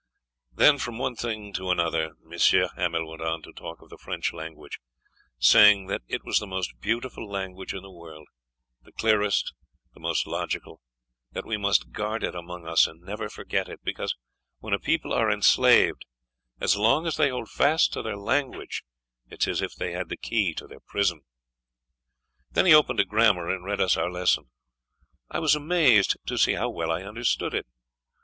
Then, from one thing to another, M. Hamel went on to talk of the French language, saying that it was the most beautiful language in the world the clearest, the most logical; that we must guard it among us and never forget it, because when a people are enslaved, as long as they hold fast to their language it is as if they had the key to their prison. Then he opened a grammar and read us our lesson. I was amazed to see how well I understood it.